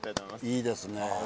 いいですね。